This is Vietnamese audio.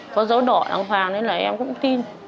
có dấu đỏ đàng hoàng nên là em cũng tin